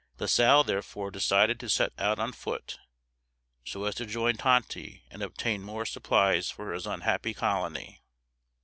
La Salle therefore decided to set out on foot, so as to join Tonty and obtain more supplies for his unhappy colony.